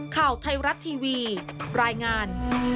ข่าวไทยรัฐทีวีรายงาน